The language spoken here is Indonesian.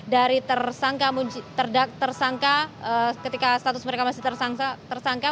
dari tersangka ketika status mereka masih tersangka